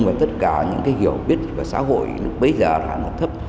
và tất cả những cái hiểu biết của xã hội lúc bây giờ là nó thấp